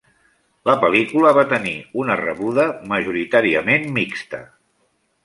La pel·lícula va tenir una rebuda majoritàriament mixta.